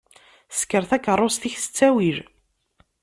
Sker takaṛust-ik s ttawil?